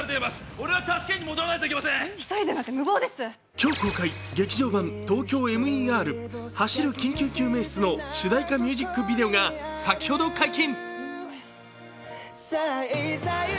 今日公開、「劇場版ＴＯＫＹＯＭＥＲ走る緊急救命室」の主題歌ミュージックビデオが先ほど解禁。